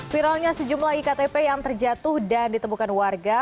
viralnya sejumlah e ktp yang terjatuh dan ditemukan warga